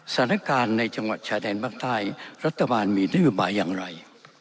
สถานการณ์ในจังหวัดชาแดนบังไทยรัฐบาลมีได้อยู่บ้างอย่างไร